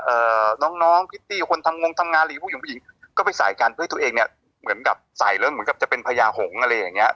น้องน้องพิตตี้คนทำงงทำงานหรือผู้หญิงผู้หญิงก็ไปใส่กันเพื่อให้ตัวเองเนี้ยเหมือนกับใส่แล้วเหมือนกับจะเป็นพญาหงษ์อะไรอย่างเงี้